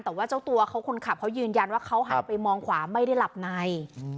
แต่ว่าเจ้าตัวเขาคนขับเขายืนยันว่าเขาหันไปมองขวาไม่ได้หลับใน